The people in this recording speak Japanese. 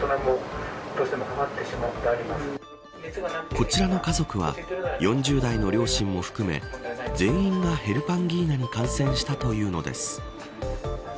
こちらの家族は４０代の両親も含め全員がヘルパンギーナに感染したというのです。